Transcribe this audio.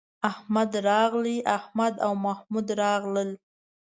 احمد راغی، احمد او محمود راغلل